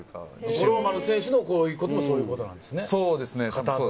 五郎丸選手のあれも、そういうことなんですね。